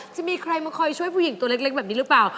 จะมีใครมาคอยช่วยผู้หญิงตัวเล็กแบบนี้หรือเปล่า